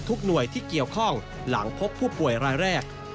หน่วยที่เกี่ยวข้องหลังพบผู้ป่วยรายแรก